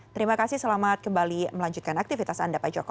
terima kasih selamat kembali melanjutkan aktivitas anda pak joko